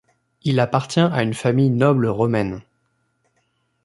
Il appartient à une famille noble romaine.